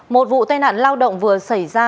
một vụ tai nạn lao động vừa xảy ra